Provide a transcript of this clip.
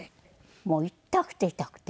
もう痛くて痛くて。